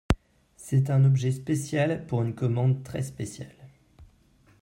C’est un objet spécial pour une commande très spéciale.